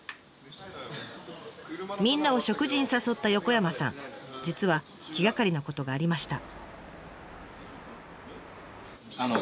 みんなを食事に誘った横山さん実は気がかりなことがありました。